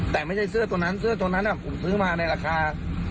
แต่ไม่ใช่เสื้อตัวนั้นเสื้อตัวนั้นผมซื้อมาในราคา